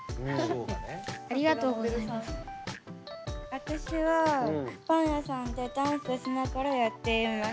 私はパン屋さんでダンスしながらやっています。